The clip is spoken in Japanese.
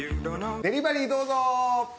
デリバリーどうぞ！